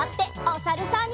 おさるさん。